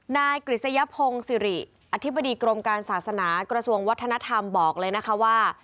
นายกฤษยพงศิริอธิบดีกรมการศาสนากระทรวงวัฒนธรรมบอกเลยนะคะว่า